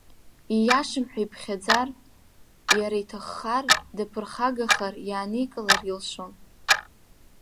Ииашам ҳәа иԥхьаӡар, иара иҭаххар, даԥырхагахар, иааникылар илшон.